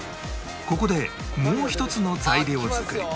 ここでもう一つの材料作りきますよ。